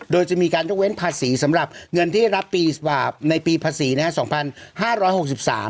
โดยจะมีการต้องเว้นภาษีสำหรับเงินที่ได้รับในปีภาษีนะครับ๒๕๖๓